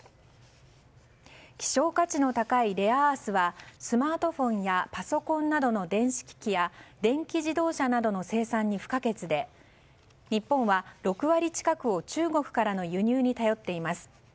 希少価値の高いレアアースはスマートフォンやパソコンなどの電子機器や電気自動車などの生産に不可欠で日本は６割近くを中国からの輸入に頼っています。